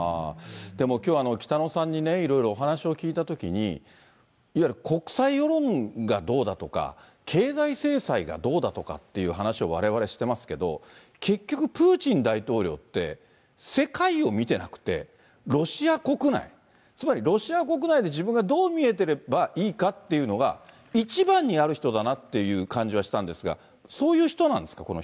でもきょう、北野さんにいろいろお話を聞いたときに、いわゆる国際世論がどうだとか、経済制裁がどうだとかっていう話をわれわれしてますけど、結局プーチン大統領って、世界を見てなくて、ロシア国内、つまり、ロシア国内で自分がどう見えてればいいかっていうのが一番にある人だなっていう感じはしたんですが、そういう人なんですか？